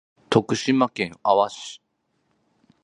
徳島県阿波市